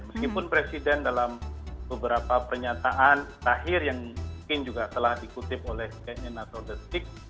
meskipun presiden dalam beberapa pernyataan terakhir yang mungkin juga telah dikutip oleh cnn atau detik